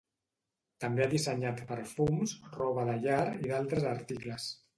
També ha dissenyat perfums, roba de llar i d'altres articles.